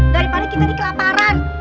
daripada kita di kelaparan